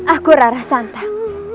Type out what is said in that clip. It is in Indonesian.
aku rara santang